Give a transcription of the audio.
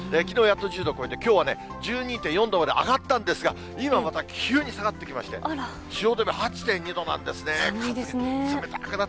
きのうやっと１０度超えて、きょうはね、１２．４度まで上がったんですが、今また急に下がってきまして、汐留８．２度なんですね。